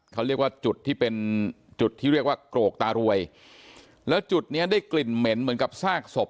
เขาเรียกว่าจุดที่เป็นจุดที่เรียกว่าโกรกตารวยแล้วจุดเนี้ยได้กลิ่นเหม็นเหมือนกับซากศพ